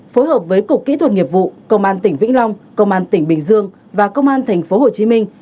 phối hợp với cục kỹ thuật nghiệp vụ công an tỉnh vĩnh long công an tỉnh bình dương và công an thành phố hồ chí minh